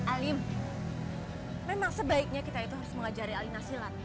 alim memang sebaiknya kita itu harus mengajari alina silat